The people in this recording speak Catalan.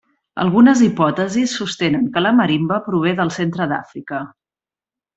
Algunes hipòtesis sostenen que la marimba prové del centre d’Àfrica.